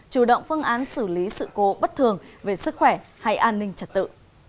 chủ động phương án xử lý sự cố bất thường về sức khỏe hay an ninh trật tự